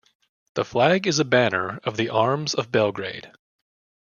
The flag is a banner of the arms of Belgrade.